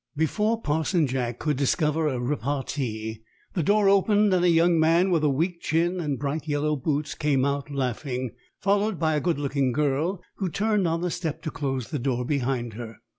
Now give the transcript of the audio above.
Before Parson Jack could discover a repartee the door opened and a young man with a weak chin and bright yellow boots came out laughing, followed by a good looking girl, who turned on the step to close the door behind her.